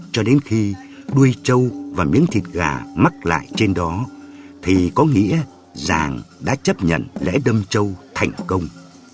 cho đến khi đuôi trâu và miếng thịt gà mắc lại trên đó thì có nghĩa giàng đã chấp nhận lễ đâm châu thành công